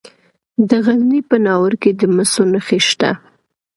د غزني په ناور کې د مسو نښې شته.